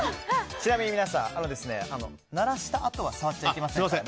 ちなみに皆さん鳴らしたあとは触っちゃいけませんから。